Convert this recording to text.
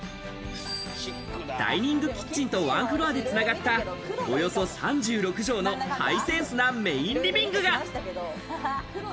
ダイニングキッチンとワンフロアで繋がった、およそ３６帖のハイセンスなメーンリビングが。